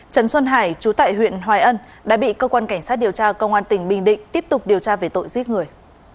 trần xuân hải chú tại huyện hoài ân đã bị cơ quan cảnh sát điều tra công an tỉnh bình định tiếp tục điều tra về tội giết người